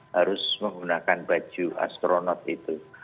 harus menggunakan baju astronot itu